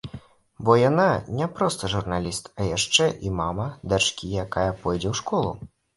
Бо яна не проста журналіст, а яшчэ і мама дачкі, якая пойдзе ў школу.